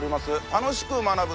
『楽しく学ぶ！